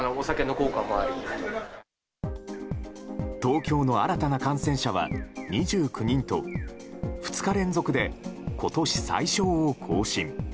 東京の新たな感染者は２９人と２日連続で今年最少を更新。